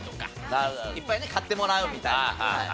いっぱいね買ってもらうみたいな。